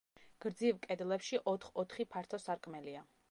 გრძივ კედლებში ოთხ-ოთხი ფართო სარკმელია.